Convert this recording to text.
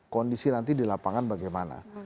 kondisi nanti di lapangan bagaimana